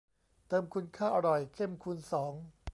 เติมคุณค่าอร่อยเข้มคูณสอง